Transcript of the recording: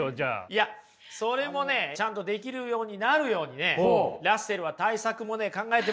いやそれもねちゃんとできるようになるようにラッセルは対策もね考えてますよ。